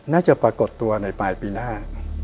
น่าจะปรากฏตัวในปลายปีหน้า